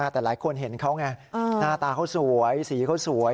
แต่หลายคนเห็นเขาไงหน้าตาเขาสวยสีเขาสวย